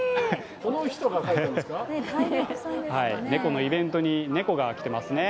猫のイベントに猫が来ていますね。